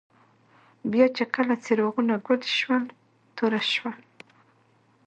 بیا چي کله څراغونه ګل شول، توره شوه.